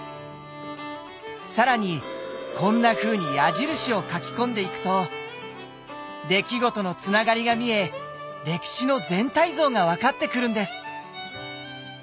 更にこんなふうに矢印を書き込んでいくと出来事のつながりが見え歴史の全体像が分かってくるんです。